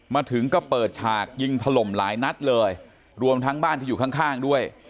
มาถึงก็เปิดฉากยิงถล่มหลายนัดเลยรวมทั้งบ้านที่อยู่ข้างด้วย